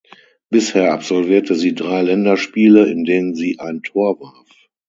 Bisher absolvierte sie drei Länderspiele, in denen sie ein Tor warf.